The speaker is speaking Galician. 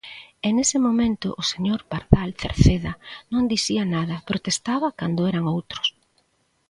E nese momento o señor Pardal Cerceda non dicía nada, protestaba cando eran outros.